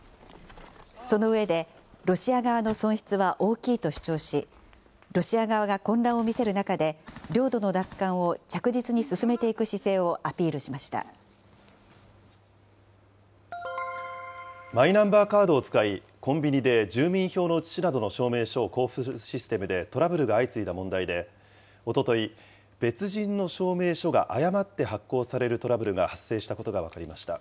その上で、ロシア側の損失は大きいと主張し、ロシア側が混乱を見せる中で、領土の奪還を着実に進マイナンバーカードを使い、コンビニで住民票の写しなどの証明書を交付するシステムでトラブルが相次いだ問題で、おととい、別人の証明書が誤って発行されるトラブルが発生したことが分かりました。